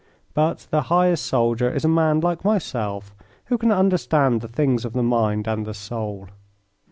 But the highest soldier is a man like myself who can understand the things of the mind and the soul.